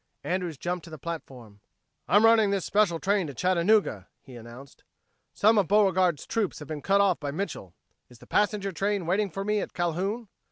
Andrews jumped to the platform: "I'm running this special train to Chattanooga," he announced. "Some of Beauregard's troops have been cut off by Mitchel. Is the passenger train waiting for me at Calhoun?"